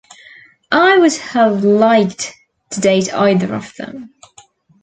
I would have liked to date either of them.